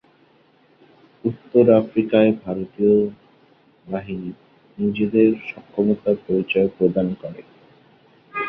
উত্তর আফ্রিকায় ভারতীয় বাহিনী নিজেদের সক্ষমতার পরিচয় প্রদান করে।